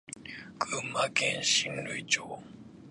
群馬県神流町